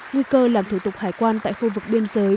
nguy cơ làm thủ tục hải quan tại khu vực biên giới